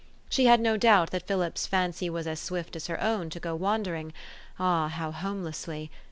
She had no doubt that Philip's fancy was as swift as her own to go wandering, (ah, how homelessly